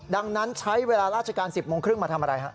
ดังนั้นใช้เวลาราชการ๑๐โมงครึ่งมาทำอะไรฮะ